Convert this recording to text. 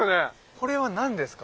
これは何ですか？